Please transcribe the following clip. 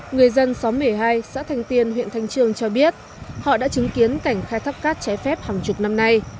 người dân xóm một mươi hai xã thanh tiên huyện thanh trương cho biết họ đã chứng kiến cảnh khai thác cát trái phép hàng chục năm nay